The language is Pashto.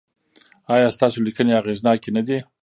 ایا ستاسو لیکنې اغیزناکې نه دي؟